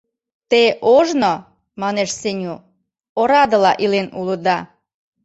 — Те ожно, — манеш Сеню, — орадыла илен улыда.